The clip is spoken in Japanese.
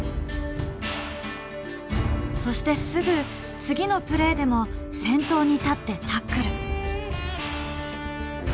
そしてすぐ次のプレーでも先頭に立ってタックル。